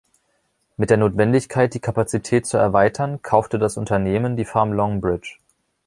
Mit der Notwendigkeit, die Kapazität zu erweitern, kaufte das Unternehmen die Farm Longbridge.